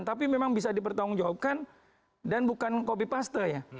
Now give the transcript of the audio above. tapi memang bisa dipertanggungjawabkan dan bukan kopi pasta ya